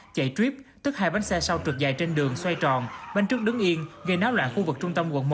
chạy trip tức hai bánh xe sau trượt dài trên đường xoay tròn bánh trước đứng yên gây náo loạn khu vực trung tâm quận một